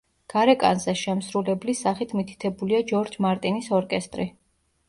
გარეკანზე შემსრულებლის სახით მითითებულია ჯორჯ მარტინის ორკესტრი.